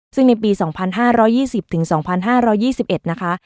ซึ่งในปี๒๕๒๐๒๕๒๑นะคะ